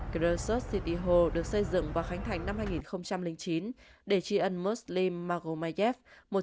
krosod city hall được xây dựng và khánh thành năm hai nghìn chín để tri ân muslim magomayev một nghìn chín trăm bốn mươi hai hai nghìn tám